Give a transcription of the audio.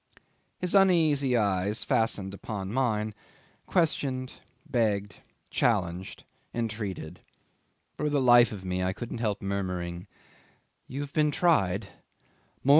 'His uneasy eyes fastened upon mine, questioned, begged, challenged, entreated. For the life of me I couldn't help murmuring, "You've been tried."